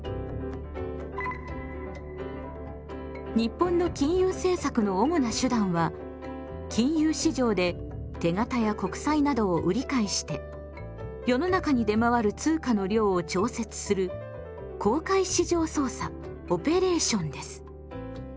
日本の金融政策の主な手段は金融市場で手形や国債などを売り買いして世の中に出回る通貨の量を調節する公開市場操作です。